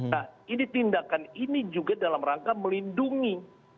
nah ini tindakan ini juga dalam rangka melindungi